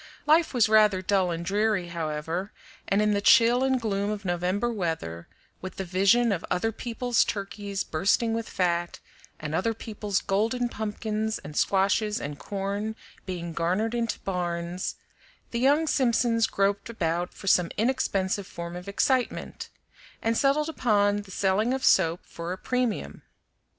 Life was rather dull and dreary, however, and in the chill and gloom of November weather, with the vision of other people's turkeys bursting with fat, and other people's golden pumpkins and squashes and corn being garnered into barns, the young Simpsons groped about for some inexpensive form of excitement, and settled upon the selling of soap for a premium.